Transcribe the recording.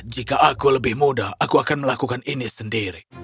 jika aku lebih muda aku akan melakukan ini sendiri